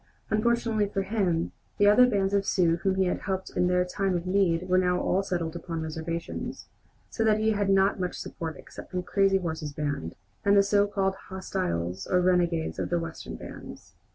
Unfortunately for him, the other bands of Sioux whom he had helped in their time of need were now all settled upon reservations, so that he had not much support except from Crazy Horse's band, and the so called hostiles or renegades of the Western bands.